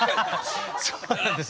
そうなんです。